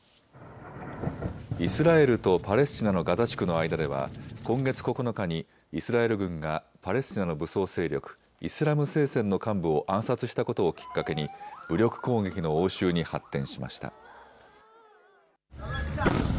イスラエルとパレスチナのガザ地区の間では今月９日にイスラエル軍がパレスチナの武装勢力、イスラム聖戦の幹部を暗殺したことをきっかけに武力攻撃の応酬に発展しました。